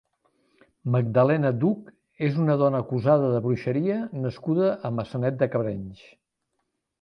Magdalena Duch és una dona acusada de bruixeria nascuda a Maçanet de Cabrenys.